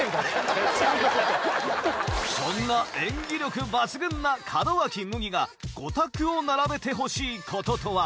そんな演技力抜群な門脇麦がゴタクを並べてほしいこととは？